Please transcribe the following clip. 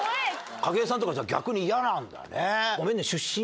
景井さんとか逆に嫌なんだね。